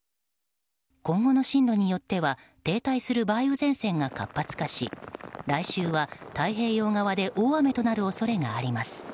今後の進路によっては停滞する梅雨前線が活発化し来週は太平洋側で大雨となる恐れがあります。